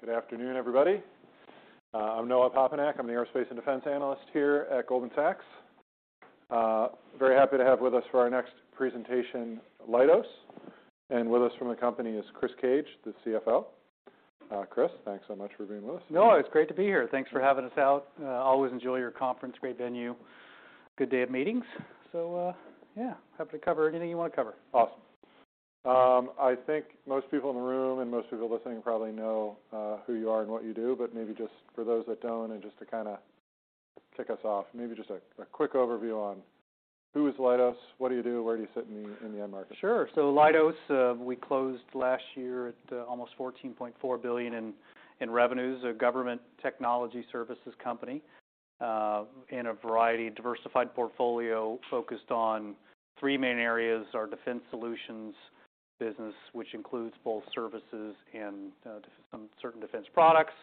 All right. Good afternoon, everybody. I'm Noah Poponak. I'm the aerospace and defense analyst here at Goldman Sachs. Very happy to have with us for our next presentation, Leidos. With us from the company is Chris Cage, the CFO. Chris, thanks so much for being with us. Noah, it's great to be here. Thanks for having us out. Always enjoy your conference. Great venue. Good day of meetings. Yeah, happy to cover anything you wanna cover. Awesome. I think most people in the room and most people listening probably know who you are and what you do, but maybe just for those that don't, and just to kind of kick us off, maybe just a quick overview on who is Leidos, what do you do, where do you sit in the end market? Sure. Leidos, we closed last year at almost $14.4 billion in revenues, a government technology services company, in a variety of diversified portfolio focused on 3 main areas, our defense solutions business, which includes both services and some certain defense products.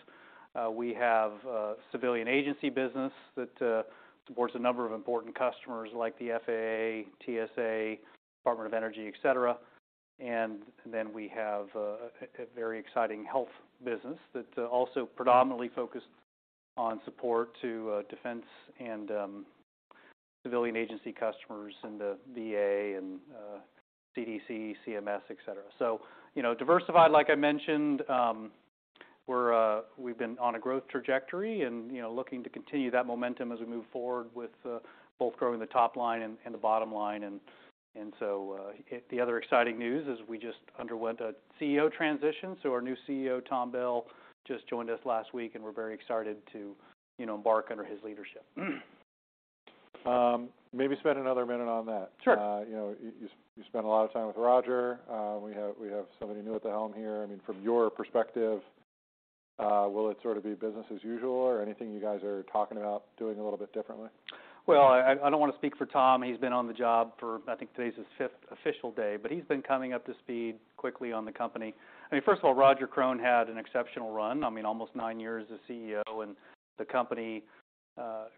We have a civilian agency business that supports a number of important customers like the FAA, TSA, Department of Energy, etc. We have a very exciting health business that also predominantly focused on support to defense and civilian agency customers in the VA and CDC, CMS, etc. You know, diversified like I mentioned. We're, we've been on a growth trajectory and, you know, looking to continue that momentum as we move forward with both growing the top line and the bottom line. The other exciting news is we just underwent a CEO transition. Our new CEO, Tom Bell, just joined us last week, and we're very excited to, you know, embark under his leadership. Maybe spend another minute on that. Sure. you know, you spent a lot of time with Roger. We have somebody new at the helm here. I mean, from your perspective, will it sort of be business as usual or anything you guys are talking about doing a little bit differently? Well, I don't wanna speak for Tom. He's been on the job for, I think today is his fifth official day, but he's been coming up to speed quickly on the company. I mean, first of all, Roger Krone had an exceptional run. I mean, almost nine years as CEO, and the company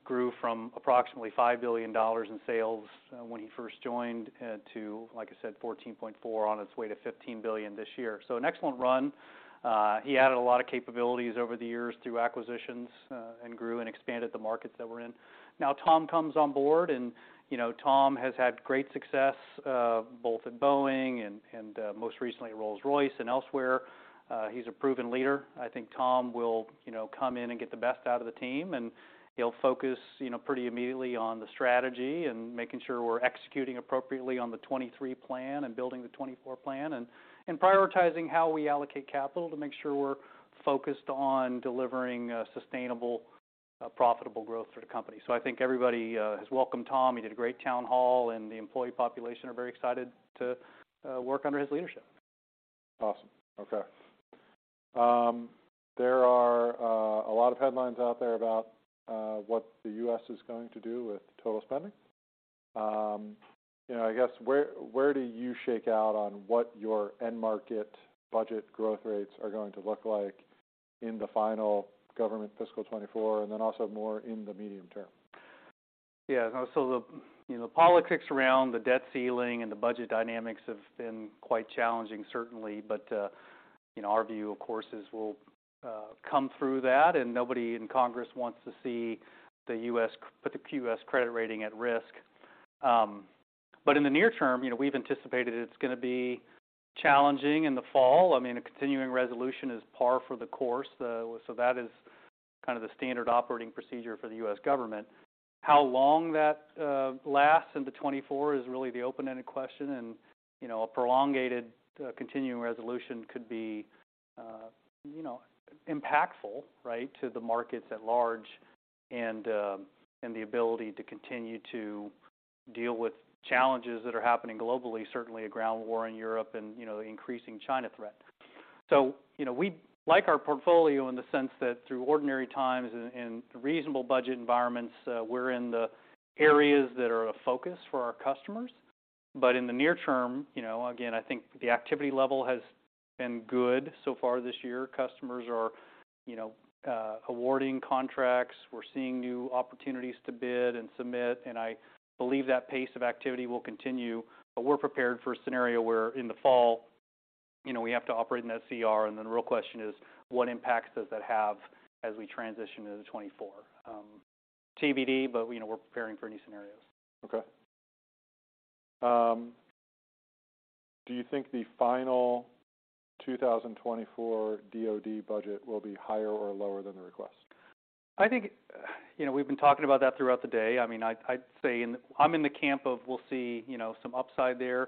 grew from approximately $5 billion in sales when he first joined to, like I said, 14.4 on its way to $15 billion this year. An excellent run. He added a lot of capabilities over the years through acquisitions and grew and expanded the markets that we're in. Tom comes on board and, you know, Tom has had great success both at Boeing and most recently Rolls-Royce and elsewhere. He's a proven leader. I think Tom will, you know, come in and get the best out of the team, and he'll focus, you know, pretty immediately on the strategy and making sure we're executing appropriately on the 2023 plan and building the 2024 plan and prioritizing how we allocate capital to make sure we're focused on delivering sustainable profitable growth for the company. I think everybody has welcomed Tom. He did a great town hall, and the employee population are very excited to work under his leadership. Awesome. Okay. There are a lot of headlines out there about what the U.S. is going to do with total spending. You know, I guess where do you shake out on what your end market budget growth rates are going to look like in the final government fiscal 2024, and then also more in the medium term? The, you know, politics around the debt ceiling and the budget dynamics have been quite challenging, certainly. You know, our view, of course, is we'll come through that, and nobody in Congress wants to see put the U.S. credit rating at risk. In the near term, you know, we've anticipated it's gonna be challenging in the fall. I mean, a continuing resolution is par for the course, that is kind of the standard operating procedure for the U.S. government. How long that lasts into 2024 is really the open-ended question. You know, a prolonged continuing resolution could be, you know, impactful, right, to the markets at large and the ability to continue to deal with challenges that are happening globally, certainly a ground war in Europe and, you know, the increasing China threat. You know, we like our portfolio in the sense that through ordinary times and reasonable budget environments, we're in the areas that are a focus for our customers. In the near term, you know, again, I think the activity level has been good so far this year. Customers are, you know, awarding contracts. We're seeing new opportunities to bid and submit, and I believe that pace of activity will continue. We're prepared for a scenario where in the fall, you know, we have to operate in that CR, and then the real question is: What impacts does that have as we transition into 2024? TBD, but, you know, we're preparing for any scenarios. Okay. Do you think the final 2024 DoD budget will be higher or lower than the request? I think, you know, we've been talking about that throughout the day. I mean, I'd say I'm in the camp of we'll see, you know, some upside there.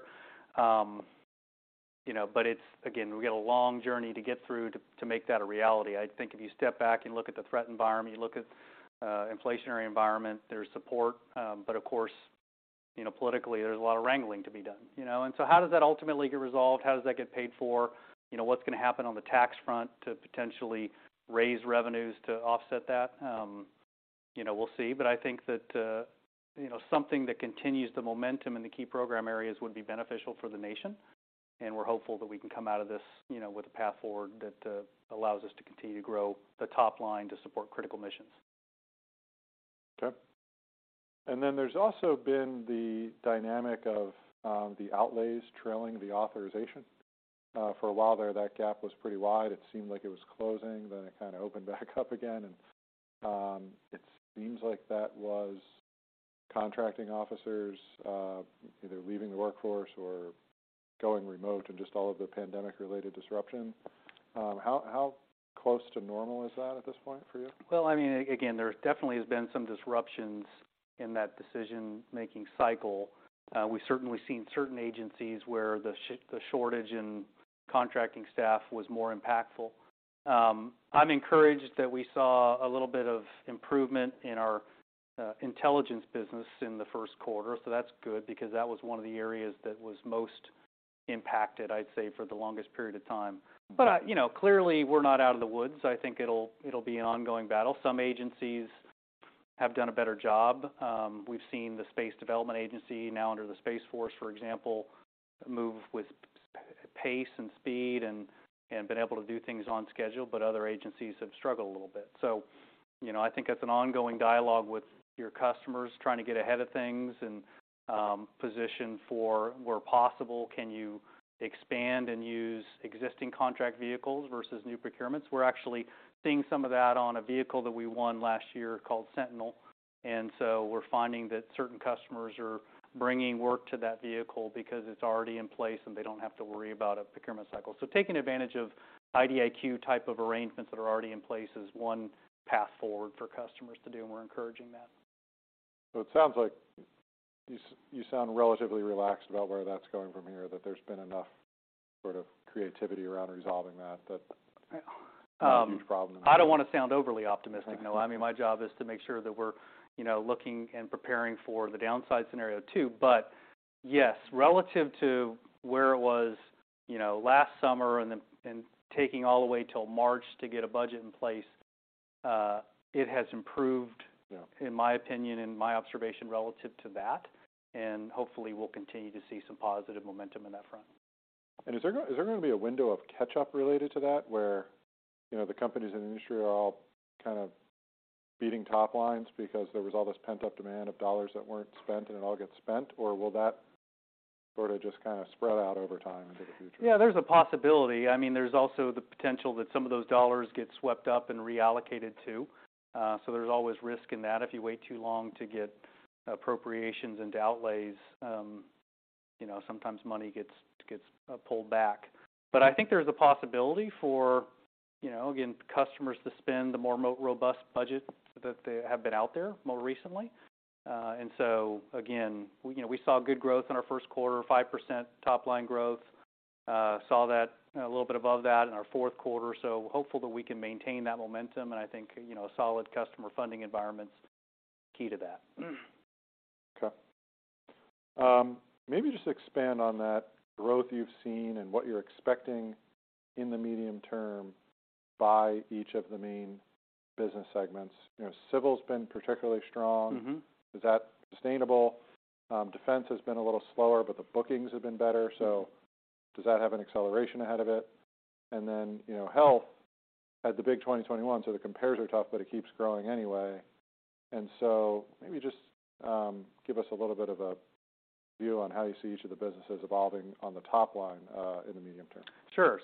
you know, but it's again, we've got a long journey to get through to make that a reality. I think if you step back and look at the threat environment, you look at, inflationary environment, there's support. Of course, you know, politically, there's a lot of wrangling to be done, you know? How does that ultimately get resolved? How does that get paid for? You know, what's gonna happen on the tax front to potentially raise revenues to offset that? you know, we'll see. I think that, you know, something that continues the momentum in the key program areas would be beneficial for the nation, and we're hopeful that we can come out of this, you know, with a path forward that, allows us to continue to grow the top line to support critical missions. Okay. There's also been the dynamic of the outlays trailing the authorization. For a while there, that gap was pretty wide. It seemed like it was closing, then it kinda opened back up again. It seems like that was contracting officers, either leaving the workforce or going remote and just all of the pandemic-related disruption. How close to normal is that at this point for you? Well, I mean, again, there definitely has been some disruptions in that decision-making cycle. We've certainly seen certain agencies where the shortage in contracting staff was more impactful. I'm encouraged that we saw a little bit of improvement in our intelligence business in the first quarter. That's good because that was one of the areas that was most impacted, I'd say, for the longest period of time. You know, clearly, we're not out of the woods. I think it'll be an ongoing battle. Some agencies have done a better job. We've seen the Space Development Agency, now under the Space Force, for example, move with pace and speed and been able to do things on schedule, but other agencies have struggled a little bit. You know, I think that's an ongoing dialogue with your customers, trying to get ahead of things and position for where possible can you expand and use existing contract vehicles versus new procurements. We're actually seeing some of that on a vehicle that we won last year called Sentinel. We're finding that certain customers are bringing work to that vehicle because it's already in place, and they don't have to worry about a procurement cycle. Taking advantage of IDIQ type of arrangements that are already in place is one path forward for customers to do, and we're encouraging that. It sounds like you sound relatively relaxed about where that's going from here, that there's been enough sort of creativity around resolving that. Um- Not a huge problem. I don't wanna sound overly optimistic, Noah. I mean, my job is to make sure that we're, you know, looking and preparing for the downside scenario too. Yes, relative to where it was, you know, last summer and taking all the way till March to get a budget in place, it has improved - Yeah... in my opinion and my observation relative to that. Hopefully, we'll continue to see some positive momentum in that front. Is there gonna be a window of catch-up related to that where, you know, the companies in the industry are all kind of beating top lines because there was all this pent-up demand of dollars that weren't spent and it all gets spent, or will that sort of just kinda spread out over time into the future? Yeah, there's a possibility. I mean, there's also the potential that some of those dollars get swept up and reallocated too. there's always risk in that. If you wait too long to get appropriations into outlays, you know, sometimes money gets pulled back. But I think there's a possibility for, you know, again, customers to spend the more remote, robust budget that they have been out there more recently. again, you know, we saw good growth in our first quarter, 5% top-line growth. saw that a little bit above that in our fourth quarter. hopeful that we can maintain that momentum. I think, you know, solid customer funding environment's key to that. Okay. maybe just expand on that growth you've seen and what you're expecting in the medium term by each of the main business segments. You know, Civil's been particularly strong. Mm-hmm. Is that sustainable? Defense has been a little slower, but the bookings have been better. Does that have an acceleration ahead of it? You know, health had the big 2021, the compares are tough, but it keeps growing anyway. Maybe just give us a little bit of a view on how you see each of the businesses evolving on the top line in the medium term. Sure.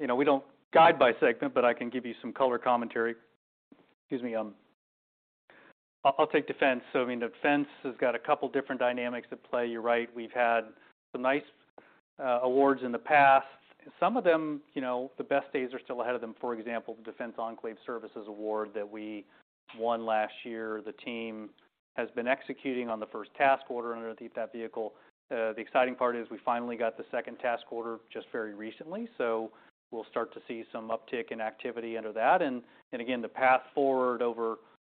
you know, we don't guide by segment, but I can give you some color commentary. Excuse me. I'll take defense. I mean, defense has got a couple different dynamics at play. You're right. We've had some nice awards in the past. Some of them, you know, the best days are still ahead of them. For example, the Defense Enclave Services Award that we won last year. The team has been executing on the first task order underneath that vehicle. The exciting part is we finally got the second task order just very recently, so we'll start to see some uptick in activity under that. Again, the path forward over,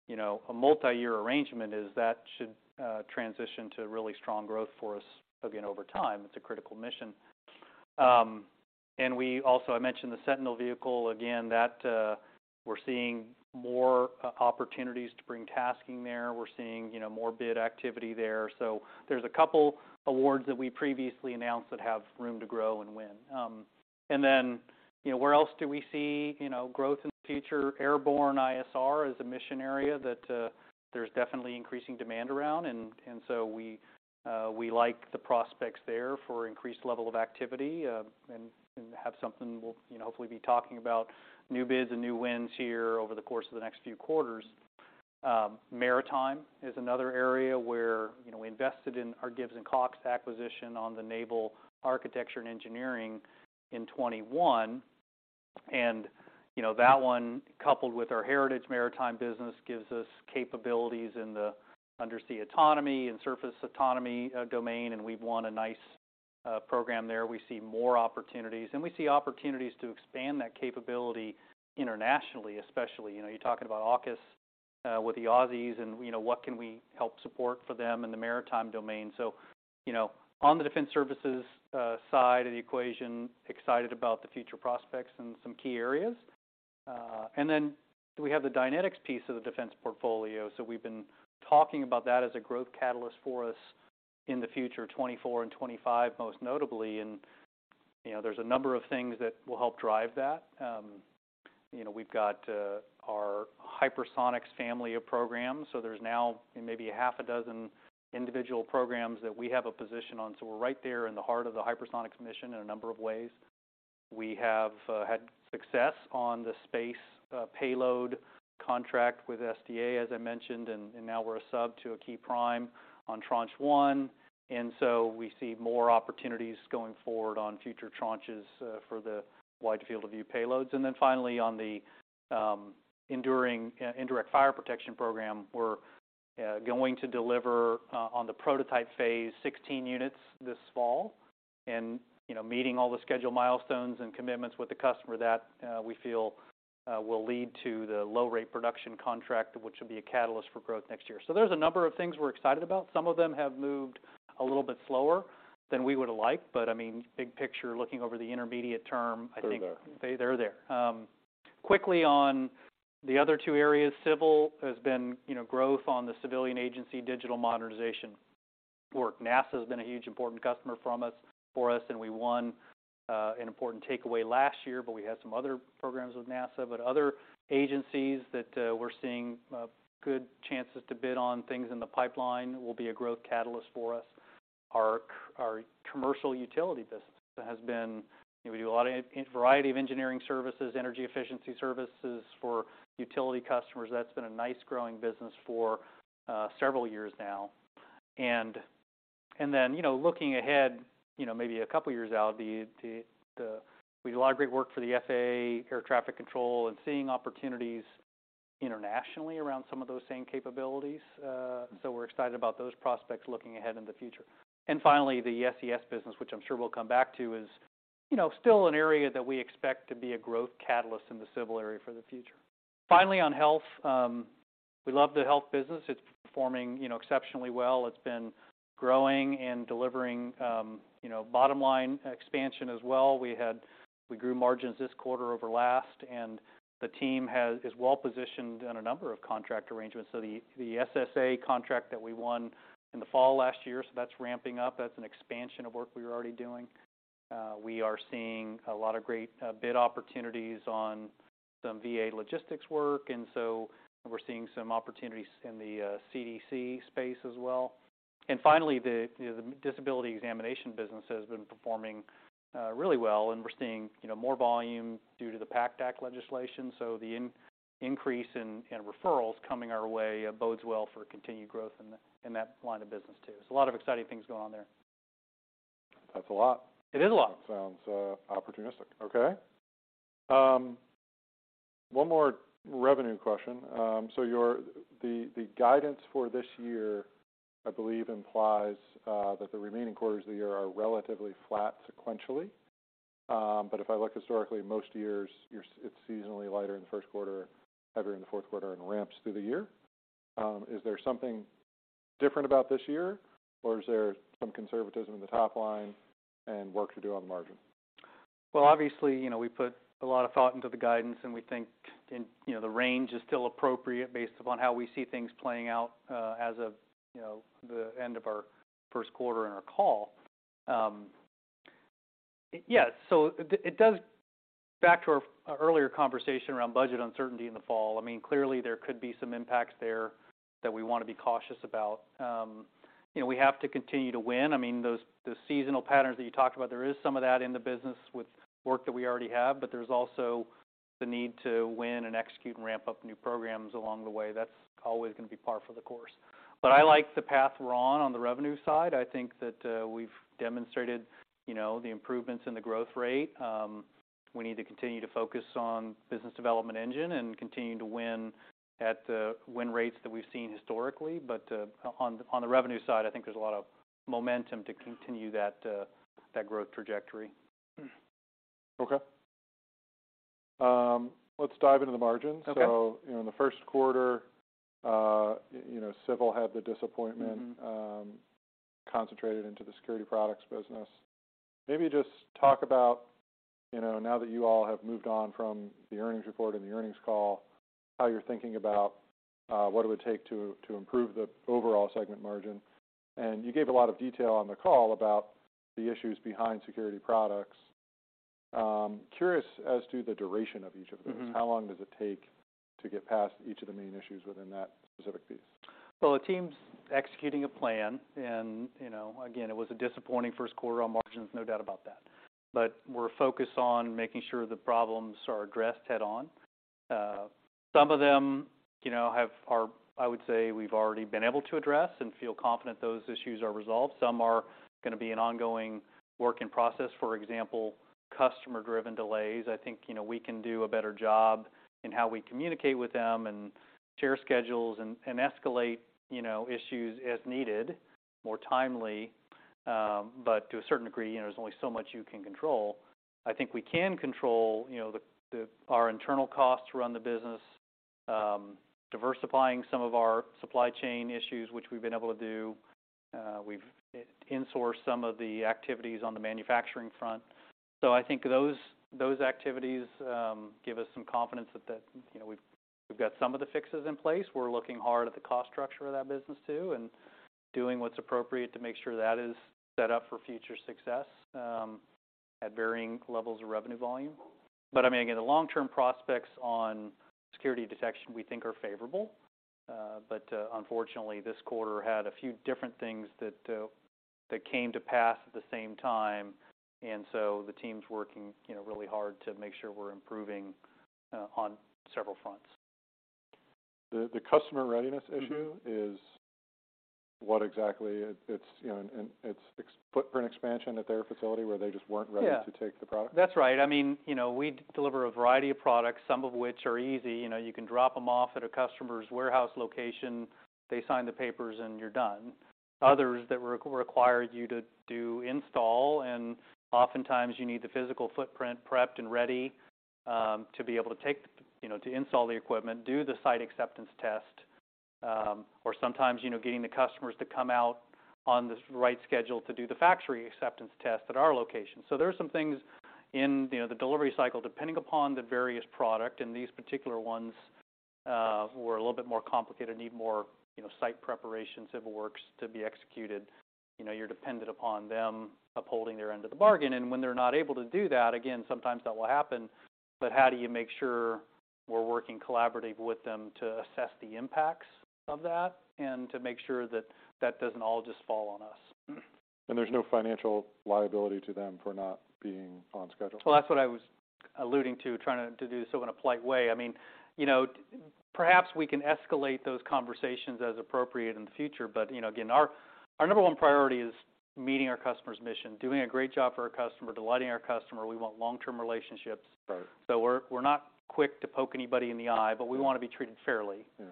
you know, a multi-year arrangement is that should transition to really strong growth for us again over time. It's a critical mission. We also, I mentioned the Sentinel vehicle. Again, that, we're seeing more opportunities to bring tasking there. We're seeing, you know, more bid activity there. There's a couple awards that we previously announced that have room to grow and win. You know, where else do we see, you know, growth in the future? Airborne ISR is a mission area that, there's definitely increasing demand around. We, we like the prospects there for increased level of activity, and, have something we'll, you know, hopefully be talking about new bids and new wins here over the course of the next few quarters. Maritime is another area where, you know, we invested in our Gibbs & Cox acquisition on the naval architecture and engineering in 2021. You know, that one, coupled with our heritage maritime business, gives us capabilities in the undersea autonomy and surface autonomy domain, and we've won a nice program there. We see more opportunities, and we see opportunities to expand that capability internationally, especially. You know, you're talking about AUKUS with the Aussies and, you know, what can we help support for them in the maritime domain. You know, on the defense services side of the equation, excited about the future prospects in some key areas. We have the Dynetics piece of the defense portfolio. We've been talking about that as a growth catalyst for us in the future 2024 and 2025, most notably. You know, there's a number of things that will help drive that. You know, we've got our hypersonics family of programs, so there's now maybe a half a dozen individual programs that we have a position on. We're right there in the heart of the hypersonics mission in a number of ways. We have had success on the space payload contract with SDA, as I mentioned, and now we're a sub to a key prime on Tranche One. We see more opportunities going forward on future tranches for the Wide Field of View payloads. Finally, on the enduring Indirect Fire Protection program, we're going to deliver on the prototype phase 16 units this fall. You know, meeting all the schedule milestones and commitments with the customer that we feel will lead to the low rate production contract, which will be a catalyst for growth next year. There's a number of things we're excited about. Some of them have moved a little bit slower than we would've liked, I mean, big picture, looking over the intermediate term, I think. They're there. They're there. Quickly on the other two areas, Civil has been, you know, growth on the civilian agency digital modernization work. NASA's been a huge important customer from us, for us, and we won an important takeaway last year, but we had some other programs with NASA. Other agencies that we're seeing good chances to bid on things in the pipeline will be a growth catalyst for us. Our commercial utility business has been, you know, we do a lot of variety of engineering services, energy efficiency services for utility customers. That's been a nice growing business for several years now. You know, looking ahead, you know, maybe a couple years out, we did a lot of great work for the FAA Air Traffic Control and seeing opportunities internationally around some of those same capabilities. We're excited about those prospects looking ahead in the future. Finally, the SES business, which I'm sure we'll come back to, is, you know, still an area that we expect to be a growth catalyst in the Civil area for the future. Finally, on Health, we love the health business. It's performing, you know, exceptionally well. It's been growing and delivering, you know, bottom line expansion as well. We grew margins this quarter over last, and the team is well positioned in a number of contract arrangements. The SSA contract that we won in the fall last year, so that's ramping up. That's an expansion of work we were already doing. We are seeing a lot of great bid opportunities on some VA logistics work, and so we're seeing some opportunities in the CDC space as well. Finally, you know, the disability examination business has been performing really well, and we're seeing, you know, more volume due to the PACT Act legislation. The increase in referrals coming our way bodes well for continued growth in that line of business too. A lot of exciting things going on there. That's a lot. It is a lot. That sounds opportunistic. Okay. One more revenue question. The guidance for this year, I believe, implies that the remaining quarters of the year are relatively flat sequentially. If I look historically, most years you're it's seasonally lighter in the first quarter, heavier in the fourth quarter, and ramps through the year. Is there something different about this year, or is there some conservatism in the top line and work to do on the margin? Obviously, you know, we put a lot of thought into the guidance, and we think in, you know, the range is still appropriate based upon how we see things playing out, as of, you know, the end of our first quarter in our call. Yes, so it does back to our earlier conversation around budget uncertainty in the fall, I mean, clearly there could be some impacts there that we wanna be cautious about. You know, we have to continue to win. I mean, those the seasonal patterns that you talked about, there is some of that in the business with work that we already have, but there's also the need to win and execute and ramp up new programs along the way. That's always gonna be par for the course. I like the path we're on the revenue side. I think that, we've demonstrated, you know, the improvements in the growth rate. We need to continue to focus on business development engine and continue to win at, win rates that we've seen historically. On the revenue side, I think there's a lot of momentum to continue that growth trajectory. Okay. let's dive into the margins. Okay. You know, in the first quarter, you know, Civil had the - Mm-hmm. - concentrated into the Security Products business. Maybe just talk about, you know, now that you all have moved on from the earnings report and the earnings call, how you're thinking about what it would take to improve the overall segment margin. You gave a lot of detail on the call about the issues behind Security Products. Curious as to the duration of each of those. Mm-hmm. How long does it take to get past each of the main issues within that specific piece? Well, the team's executing a plan. You know, again, it was a disappointing first quarter on margins, no doubt about that. We're focused on making sure the problems are addressed head on. Some of them, you know, are, I would say, we've already been able to address and feel confident those issues are resolved. Some are gonna be an ongoing work in process. For example, customer-driven delays. I think, you know, we can do a better job in how we communicate with them and share schedules and escalate, you know, issues as needed, more timely. To a certain degree, you know, there's only so much you can control. I think we can control, you know, our internal costs to run the business, diversifying some of our supply chain issues, which we've been able to do. We've insourced some of the activities on the manufacturing front. I think those activities give us some confidence that the, you know, we've got some of the fixes in place. We're looking hard at the cost structure of that business too, and doing what's appropriate to make sure that is set up for future success at varying levels of revenue volume. I mean, again, the long-term prospects on security detection, we think are favorable. Unfortunately, this quarter had a few different things that came to pass at the same time, the team's working, you know, really hard to make sure we're improving on several fronts. The customer readiness issue is what exactly? It's, you know, and it's footprint expansion at their facility where they just weren't ready- Yeah. - to take the product? That's right. I mean, you know, we deliver a variety of products, some of which are easy. You know, you can drop them off at a customer's warehouse location, they sign the papers, you're done. Others that require you to do install, oftentimes you need the physical footprint prepped and ready to be able to take, you know, to install the equipment, do the site acceptance test, or sometimes, you know, getting the customers to come out on this right schedule to do the factory acceptance test at our location. There are some things in, you know, the delivery cycle, depending upon the various product, these particular ones were a little bit more complicated, need more, you know, site preparation, civil works to be executed. You know, you're dependent upon them upholding their end of the bargain. When they're not able to do that, again, sometimes that will happen. How do you make sure we're working collaborative with them to assess the impacts of that and to make sure that that doesn't all just fall on us? There's no financial liability to them for not being on schedule. Well, that's what I was alluding to, trying to do so in a polite way. I mean, you know, perhaps we can escalate those conversations as appropriate in the future. You know, again, our number one priority is meeting our customer's mission, doing a great job for our customer, delighting our customer. We want long-term relationships. Right. We're not quick to poke anybody in the eye, but we wanna be treated fairly. Yeah.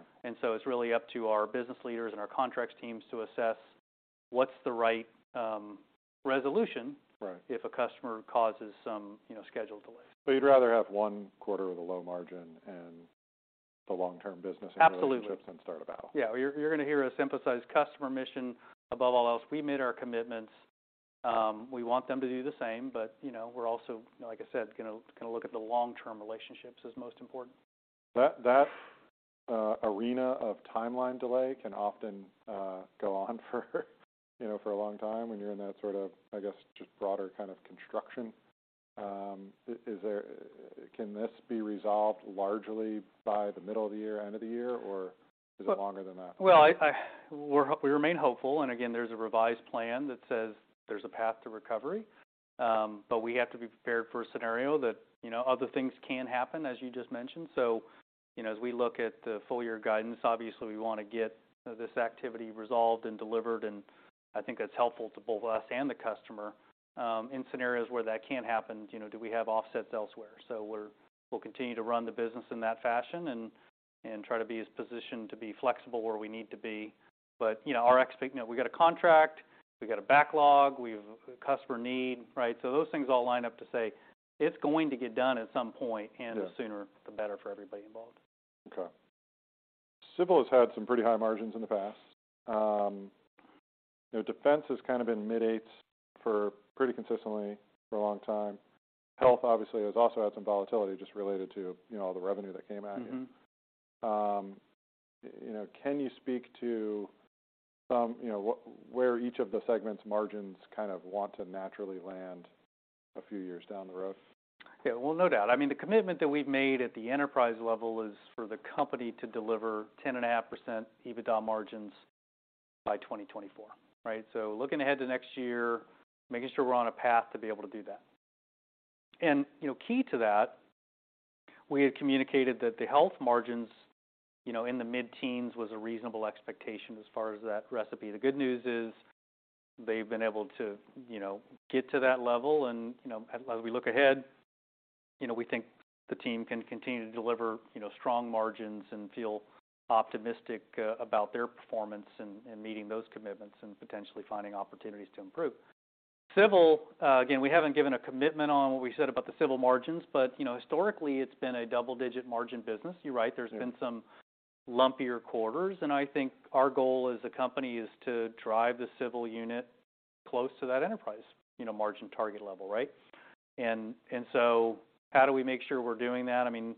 It's really up to our business leaders and our contracts teams to assess what's the right resolution. Right. If a customer causes some, you know, schedule delays. You'd rather have one quarter with a low margin and the long-term business and relationships - Absolutely. - than start a battle. Yeah. You're gonna hear us emphasize customer mission above all else. We made our commitments. We want them to do the same, but, you know, we're also, like I said, gonna look at the long-term relationships as most important. That arena of timeline delay can often go on for, you know, for a long time when you're in that sort of, I guess, just broader kind of construction. Can this be resolved largely by the middle of the year, end of the year, or is it longer than that? Well, I, we remain hopeful, again, there's a revised plan that says there's a path to recovery. We have to be prepared for a scenario that, you know, other things can happen, as you just mentioned. You know, as we look at the full-year guidance, obviously, we wanna get this activity resolved and delivered, and I think that's helpful to both us and the customer. In scenarios where that can't happen, you know, do we have offsets elsewhere? We'll continue to run the business in that fashion and try to be as positioned to be flexible where we need to be. You know, we got a contract, we got a backlog, we've a customer need, right? Those things all line up to say, it's going to get done at some point. Yeah. The sooner, the better for everybody involved. Okay. Civil has had some pretty high margins in the past. You know, defense has kind of been mid-8% for pretty consistently for a long time. Health, obviously, has also had some volatility just related to, you know, all the revenue that came at you. Mm-hmm. You know, can you speak to some, you know, where each of the segment's margins kind of want to naturally land a few years down the road? Yeah. Well, no doubt. I mean, the commitment that we've made at the enterprise level is for the company to deliver 10.5% EBITDA margins by 2024, right? Looking ahead to next year, making sure we're on a path to be able to do that. You know, key to that, we had communicated that the health margins, you know, in the mid-teens was a reasonable expectation as far as that recipe. The good news is they've been able to, you know, get to that level. You know, as we look ahead, you know, we think the team can continue to deliver, you know, strong margins and feel optimistic about their performance in meeting those commitments and potentially finding opportunities to improve. Civil, again, we haven't given a commitment on what we said about the civil margins, but, you know, historically, it's been a double-digit margin business. You're right, there's been some lumpier quarters. I think our goal as a company is to drive the civil unit close to that enterprise, you know, margin target level, right? How do we make sure we're doing that? I mean,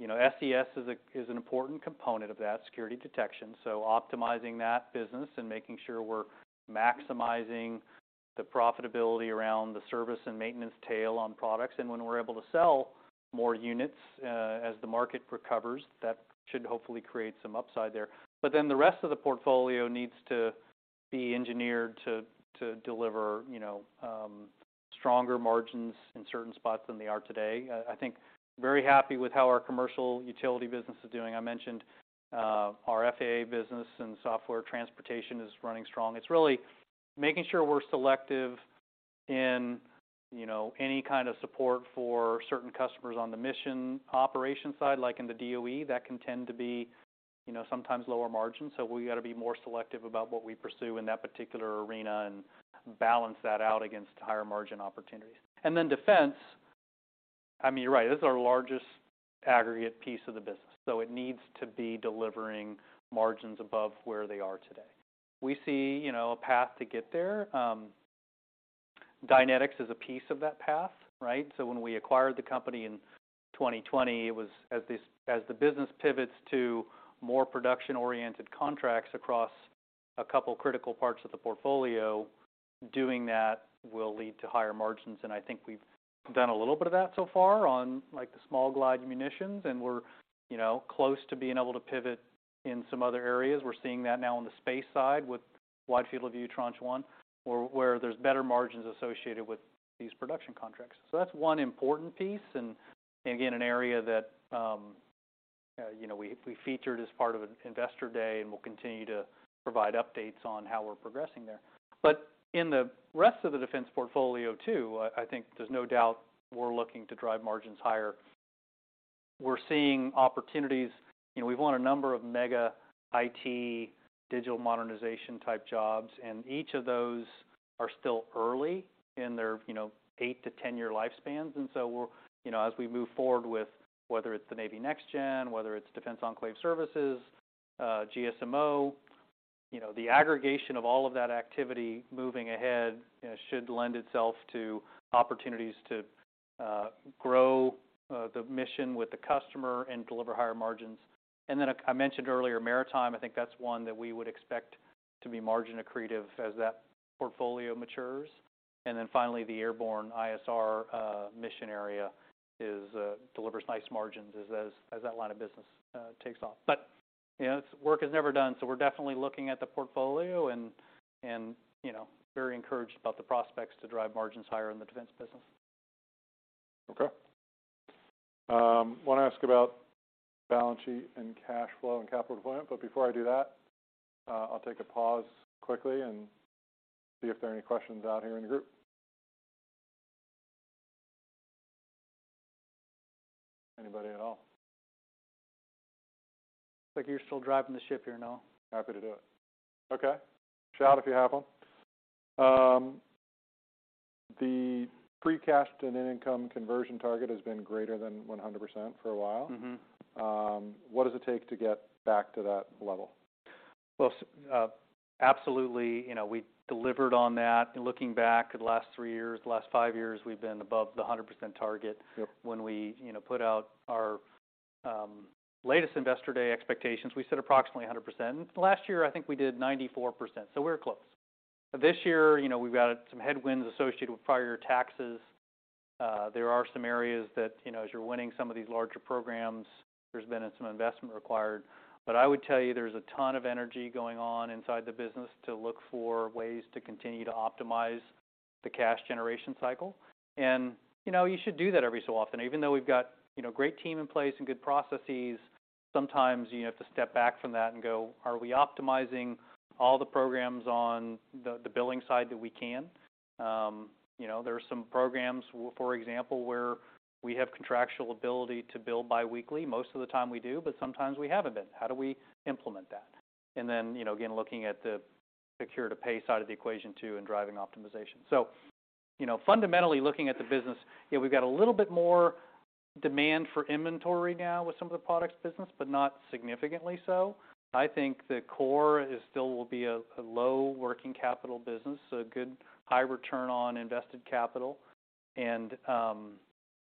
you know, SES is an important component of that security detection, so optimizing that business and making sure we're maximizing the profitability around the service and maintenance tail on products. When we're able to sell more units, as the market recovers, that should hopefully create some upside there. The rest of the portfolio needs to be engineered to deliver, you know, stronger margins in certain spots than they are today. I think very happy with how our commercial utility business is doing. I mentioned our FAA business and software transportation is running strong. It's really making sure we're selective in, you know, any kind of support for certain customers on the mission operations side, like in the DOE. That can tend to be, you know, sometimes lower margin, so we gotta be more selective about what we pursue in that particular arena and balance that out against higher margin opportunities. Then defense, I mean, you're right, this is our largest aggregate piece of the business, so it needs to be delivering margins above where they are today. We see, you know, a path to get there. Dynetics is a piece of that path, right? When we acquired the company in 2020, it was as the business pivots to more production-oriented contracts across a couple critical parts of the portfolio, doing that will lead to higher margins. I think we've done a little bit of that so far on, like, the Small Glide Munitions, and we're, you know, close to being able to pivot in some other areas. We're seeing that now on the space side with Wide Field of View Tranche One, where there's better margins associated with these production contracts. That's one important piece, and again, an area that, you know, we featured as part of Investor Day, and we'll continue to provide updates on how we're progressing there. In the rest of the defense portfolio too, I think there's no doubt we're looking to drive margins higher. We're seeing opportunities. You know, we've won a number of mega IT digital modernization type jobs, and each of those are still early in their, you know, 8-10-year lifespans. We're, you know, as we move forward with whether it's the Navy Next Gen, whether it's Defense Enclave Services, GSM-O, you know, the aggregation of all of that activity moving ahead, you know, should lend itself to opportunities to grow the mission with the customer and deliver higher margins. I mentioned earlier Maritime, I think that's one that we would expect to be margin accretive as that portfolio matures. Finally, the airborne ISR mission area delivers nice margins as that line of business takes off. You know, work is never done, so we're definitely looking at the portfolio and, you know, very encouraged about the prospects to drive margins higher in the defense business. Okay. Wanna ask about balance sheet and cash flow and capital deployment, but before I do that, I'll take a pause quickly and see if there are any questions out here in the group. Anybody at all? Looks like you're still driving the ship here, Noah. Happy to do it. Okay. Shout if you have one. The pre-cast and net income conversion target has been greater than 100% for a while. Mm-hmm. What does it take to get back to that level? Well, absolutely, you know, we delivered on that. Looking back at the last three years, the last five years, we've been above the 100% target. Yep. When we, you know, put out our latest Investor Day expectations, we said approximately 100%. Last year, I think we did 94%, so we were close. This year, you know, we've got some headwinds associated with prior taxes. There are some areas that, you know, as you're winning some of these larger programs, there's been some investment required. I would tell you, there's a ton of energy going on inside the business to look for ways to continue to optimize the cash generation cycle. You know, you should do that every so often. Even though we've got, you know, great team in place and good processes, sometimes you have to step back from that and go, "Are we optimizing all the programs on the billing side that we can?" You know, there are some programs, for example, where we have contractual ability to bill biweekly. Most of the time we do, but sometimes we haven't been. How do we implement that? You know, again, looking at the source to pay side of the equation too and driving optimization. You know, fundamentally looking at the business, you know, we've got a little bit more demand for inventory now with some of the products business, but not significantly so. I think the core is still will be a low working capital business, a good high return on invested capital.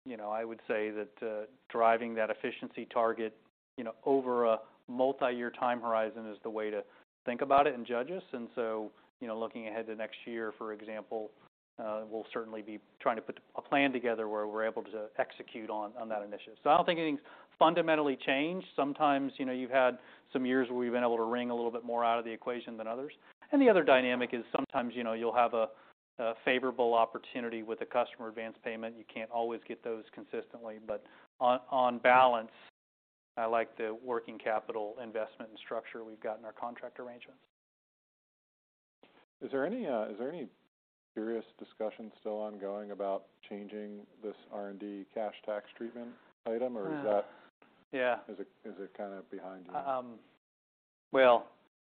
You know, I would say that driving that efficiency target, you know, over a multi-year time horizon is the way to think about it and judge us. You know, looking ahead to next year, for example, we'll certainly be trying to put a plan together where we're able to execute on that initiative. I don't think anything's fundamentally changed. Sometimes, you know, you've had some years where we've been able to wring a little bit more out of the equation than others. The other dynamic is sometimes, you know, you'll have a favorable opportunity with a customer advance payment. You can't always get those consistently, but on balance, I like the working capital investment and structure we've got in our contract arrangements. Is there any serious discussion still ongoing about changing this R&D cash tax treatment item? Yeah. Or is that - Yeah. - is it kinda behind you? Well,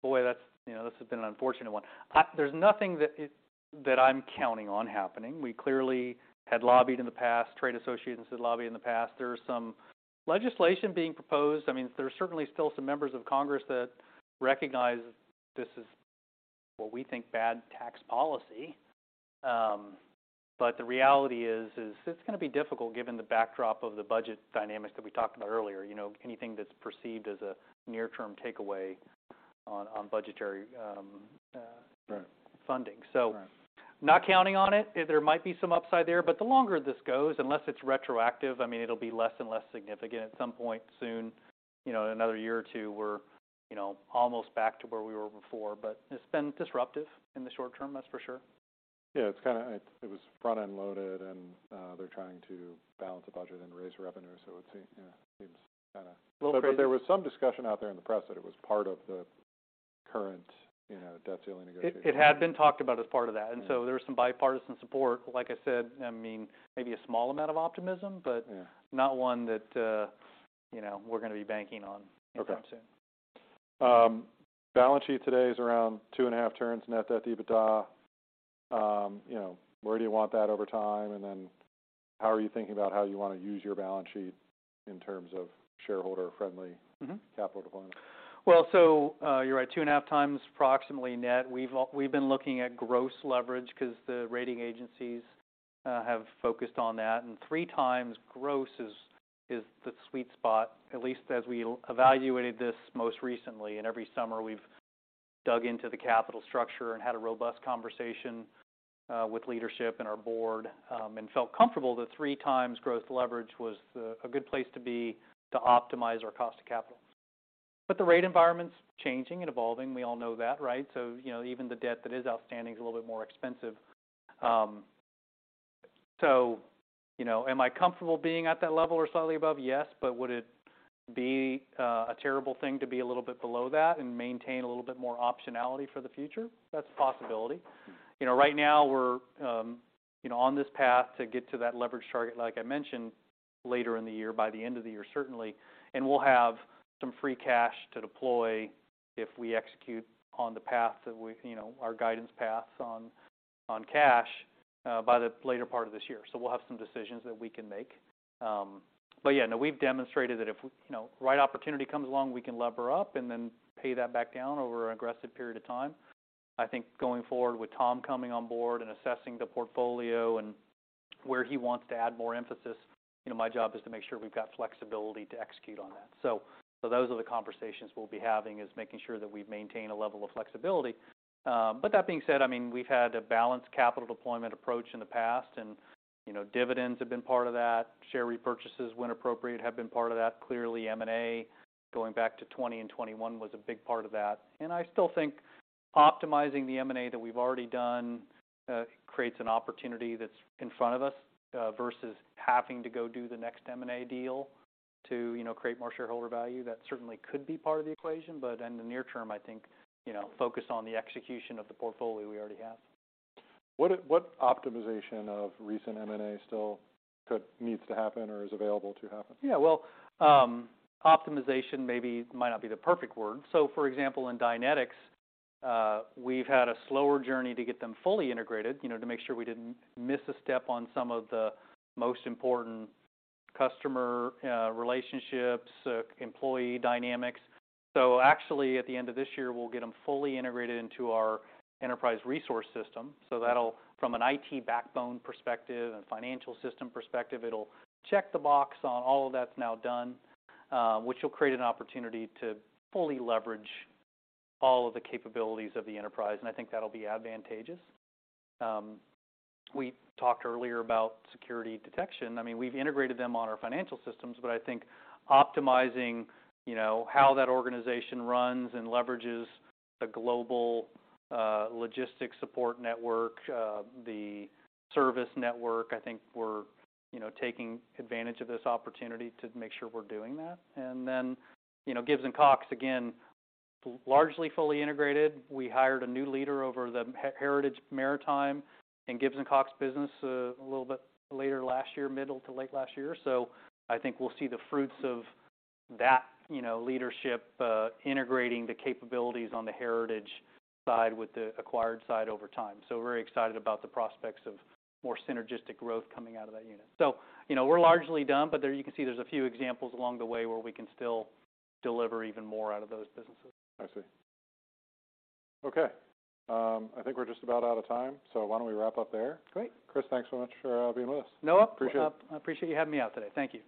boy, that's, you know, this has been an unfortunate one. There's nothing that I'm counting on happening. We clearly had lobbied in the past, trade associations had lobbied in the past. There are some legislation being proposed. I mean, there are certainly still some members of Congress that recognize this is what we think bad tax policy. The reality is it's gonna be difficult given the backdrop of the budget dynamics that we talked about earlier. You know, anything that's perceived as a near-term takeaway on budgetary - Right.... funding. Right. Not counting on it. There might be some upside there, but the longer this goes, unless it's retroactive, I mean, it'll be less and less significant. At some point soon, you know, in another year or two, we're, you know, almost back to where we were before. It's been disruptive in the short term, that's for sure. Yeah. It was front-end loaded, and they're trying to balance a budget and raise revenue, so we'll see. Yeah. Little crazy. There was some discussion out there in the press that it was part of the current, you know, debt ceiling negotiation. It had been talked about as part of that. Yeah. There was some bipartisan support. Like I said, I mean, maybe a small amount of optimism. Yeah. Not one that, you know, we're gonna be banking on anytime soon. Okay. Balance sheet today is around two and a half turns net debt to EBITDA. You know, where do you want that over time? How are you thinking about how you wanna use your balance sheet in terms of shareholder-friendly- Mm-hmm... capital deployment? Well, so, you're right, 2.5 times approximately net. We've been looking at gross leverage 'cause the rating agencies have focused on that. 3 times gross is the sweet spot, at least as we evaluated this most recently. Every summer, we've dug into the capital structure and had a robust conversation with leadership and our board, and felt comfortable that 3 times gross leverage was a good place to be to optimize our cost to capital. The rate environment's changing and evolving. We all know that, right? You know, even the debt that is outstanding is a little bit more expensive. You know, am I comfortable being at that level or slightly above? Yes. Would it be a terrible thing to be a little bit below that and maintain a little bit more optionality for the future? That's a possibility. You know, right now we're, you know, on this path to get to that leverage target, like I mentioned, later in the year, by the end of the year, certainly. We'll have some free cash to deploy if we execute on the path that we, you know, our guidance paths on cash, by the later part of this year. We'll have some decisions that we can make. Yeah, no, we've demonstrated that if we, you know, right opportunity comes along, we can lever up and then pay that back down over an aggressive period of time. I think going forward with Tom coming on board and assessing the portfolio and where he wants to add more emphasis, you know, my job is to make sure we've got flexibility to execute on that. Those are the conversations we'll be having, is making sure that we've maintained a level of flexibility. That being said, I mean, we've had a balanced capital deployment approach in the past and, you know, dividends have been part of that. Share repurchases, when appropriate, have been part of that. Clearly, M&A, going back to 2020 and 2021, was a big part of that. I still think optimizing the M&A that we've already done creates an opportunity that's in front of us versus having to go do the next M&A deal to, you know, create more shareholder value. That certainly could be part of the equation. In the near term, I think, you know, focus on the execution of the portfolio we already have. What optimization of recent M&A still needs to happen or is available to happen? Well, optimization maybe might not be the perfect word. For example, in Dynetics, we've had a slower journey to get them fully integrated, you know, to make sure we didn't miss a step on some of the most important customer relationships, employee dynamics. Actually, at the end of this year, we'll get them fully integrated into our enterprise resource system. That'll, from an IT backbone perspective and financial system perspective, it'll check the box on all of that's now done, which will create an opportunity to fully leverage all of the capabilities of the enterprise, and I think that'll be advantageous. We talked earlier about security detection. I mean, we've integrated them on our financial systems, but I think optimizing, you know, how that organization runs and leverages the global logistics support network, the service network, I think we're, you know, taking advantage of this opportunity to make sure we're doing that. Then, you know, Gibbs & Cox, again, largely fully integrated. We hired a new leader over the heritage maritime in Gibbs & Cox business, a little bit later last year, middle to late last year. I think we'll see the fruits of that, you know, leadership, integrating the capabilities on the heritage side with the acquired side over time. We're excited about the prospects of more synergistic growth coming out of that unit. You know, we're largely done, but there you can see there's a few examples along the way where we can still deliver even more out of those businesses. I see. Okay. I think we're just about out of time, why don't we wrap up there? Great. Chris, thanks so much for being with us. No. Appreciate it. I appreciate you having me out today. Thank you.